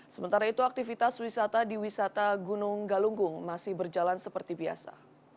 sementara itu aktivitas wisata di wisata gunung galunggung masih berjalan seperti biasa